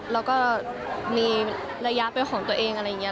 แล้วก็มีระยะเป็นของตัวเองอะไรอย่างนี้